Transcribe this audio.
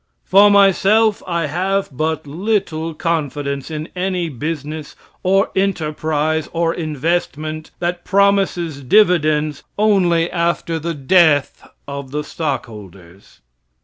For myself, I have but little confidence in any business, or enterprise, or investment, that promises dividends only after the death of the stockholders.